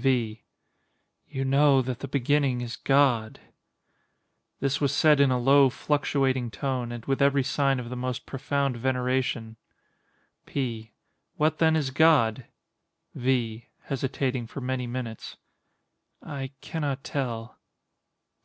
V. You know that the beginning is GOD. [This was said in a low, fluctuating tone, and with every sign of the most profound veneration.] P. What then, is God? V. [Hesitating for many minutes.] I cannot tell.